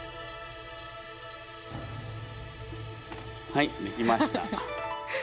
はい出来ました。